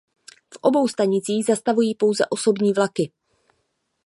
V obou stanicích zastavují pouze osobní vlaky.